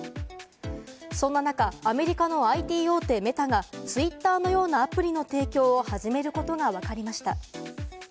そんな中、アメリカのＩＴ大手・Ｍｅｔａがツイッターのようなアプリの提供を始めることがわかりました。